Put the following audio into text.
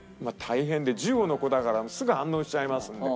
１５の子だからすぐ反応しちゃいますんで。